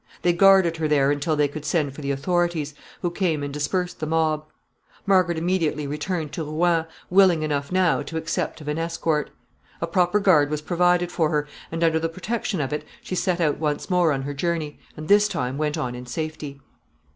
They guarded her there until they could send for the authorities, who came and dispersed the mob. Margaret immediately returned to Rouen, willing enough now to accept of an escort. A proper guard was provided for her, and under the protection of it she set out once more on her journey, and this time went on in safety.